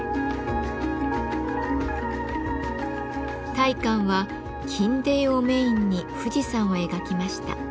大観は金泥をメインに富士山を描きました。